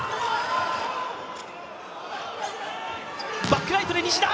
バックライトで西田！